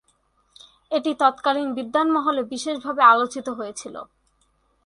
এটি তৎকালীন বিদ্বান মহলে বিশেষভাবে আলোচিত হয়েছিল।